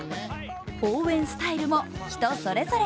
応援スタイルも人それぞれ。